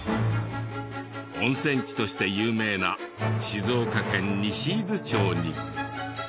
温泉地として有名な静岡県西伊豆町に。